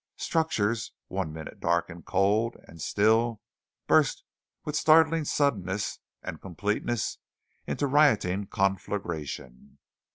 Structures one minute dark and cold and still burst with startling suddenness and completeness into rioting conflagration.